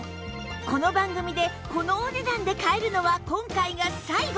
この番組でこのお値段で買えるのは今回が最後。